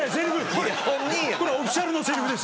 これオフィシャルのセリフです。